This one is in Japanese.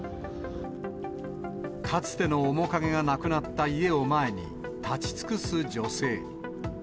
かつての面影がなくなった家を前に立ち尽くす女性。